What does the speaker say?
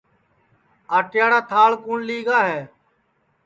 آٹے یاڑا تھاݪ کُوٹؔ لی گا ہے